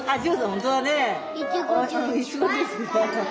本当だね。